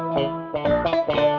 pertanyaan dari iva